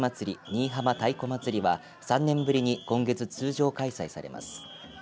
新居浜太鼓祭りは３年ぶりに今月通常開催されます。